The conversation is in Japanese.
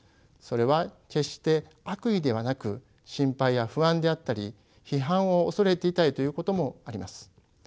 それは決して悪意ではなく心配や不安であったり批判を恐れていたりということもあります。